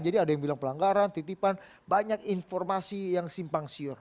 jadi ada yang bilang pelanggaran titipan banyak informasi yang simpang siur